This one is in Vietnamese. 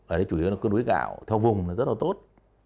ở đây chủ yếu là cân đối gạo theo vùng là rất là tốt